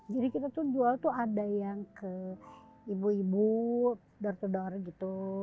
jadi kita jual ada yang ke ibu ibu darter darter gitu